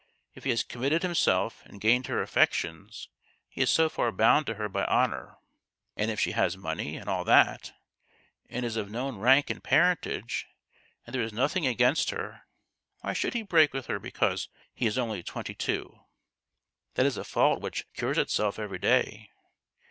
If he has committed himself and gained her affections he is so far bound to her by honour ; and if she has money and all that, and is of known rank and parentage, and there is nothing against her, why should he break with her because he is only twenty two ? That is a fault which cures itself every day